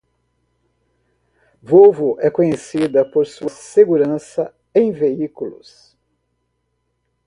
Volvo é conhecida por sua segurança em veículos.